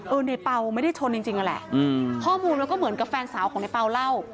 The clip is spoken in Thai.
ในเปล่าไม่ได้ชนจริงนั่นแหละข้อมูลมันก็เหมือนกับแฟนสาวของในเปล่าเล่า